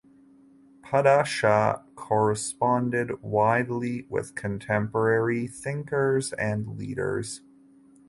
Padshah corresponded widely with contemporary thinkers and leaders.